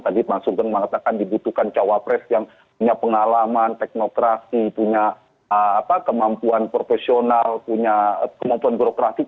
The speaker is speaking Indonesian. tadi pak sugeng mengatakan dibutuhkan cawapres yang punya pengalaman teknokrasi punya kemampuan profesional punya kemampuan birokrasi